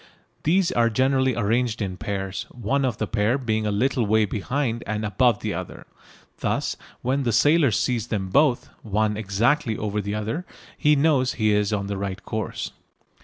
These are generally arranged in pairs, one of the pair being a little way behind and above the other. Thus when the sailor sees them both, one exactly over the other, he knows he is on the right course.